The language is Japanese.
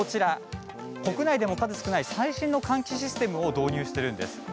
国内でも数少ない最新の換気システムを導入しているんです。